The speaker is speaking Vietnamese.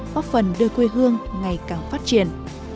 góp phần đưa quê hương ngày càng phát triển